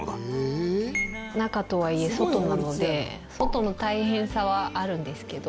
中とはいえ外なので外の大変さはあるんですけど。